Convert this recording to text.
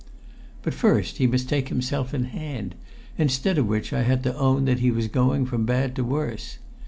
But first he must take himself in hand, instead of which I had to own that he was going from bad to worse.